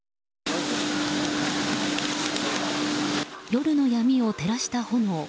夜の闇を照らした炎。